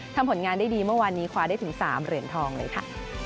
ทำผลงานได้ดีเมื่อวานนี้คว้าได้ถึง๓เหรียญทองเลยค่ะ